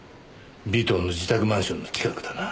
尾藤の自宅マンションの近くだな。